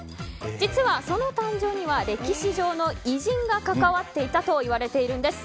実は、その誕生には歴史上の異人が関わっていたといわれているんです。